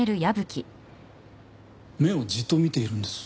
目をじっと見ているんです。